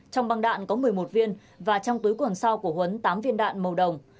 trong băng đạn có một mươi một viên và trong túi quần sau của huấn tám viên đạn màu đồng